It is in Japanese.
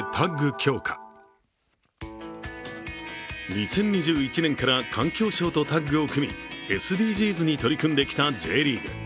２０２１年から環境省とタッグを組み、ＳＤＧｓに取り組んできたＪリーグ。